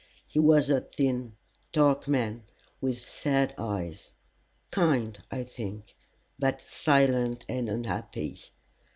He was a thin, dark man, with sad eyes; kind, I think, but silent and unhappy.